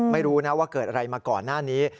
ไม่รู้นะว่าเกิดอะไรมาก่อนหน้านี้